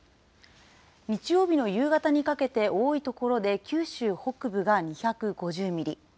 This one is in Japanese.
日曜日の夕方にかけて、多い所で九州北部が２５０ミリ。